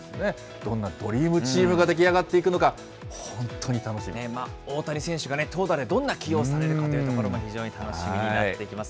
どんなドリームチームが出来上が大谷選手が投打でどんな起用されるかというところも非常に楽しみになってきます。